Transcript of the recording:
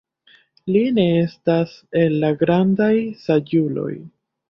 Li ne estas el la grandaj saĝuloj.